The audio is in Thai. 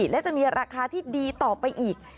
และจะมีราคาที่ดีต่อไปอีก